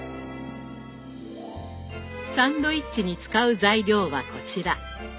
サンドイッチに使う材料はこちら。